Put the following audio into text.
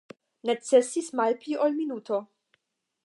Necesis malpli ol minuto